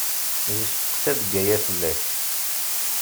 Yesteqsa-d Gaya fell-ak.